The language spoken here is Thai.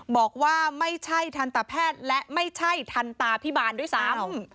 บอกว่าไม่ใช่ทันตแพทย์และไม่ใช่ทันตาพิบาลด้วยซ้ำ